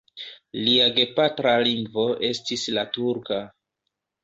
Lia gepatra lingvo estis la turka.